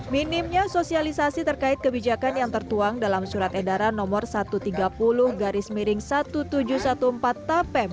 minimnya sosialisasi terkait kebijakan yang tertuang dalam surat edaran nomor satu ratus tiga puluh garis miring seribu tujuh ratus empat belas tapem